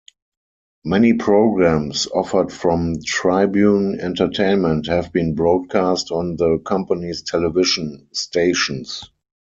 Many programs offered from Tribune Entertainment have been broadcast on the company's television stations.